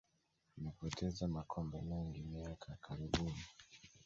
amepoteza makombe mengi miaka ya karibuni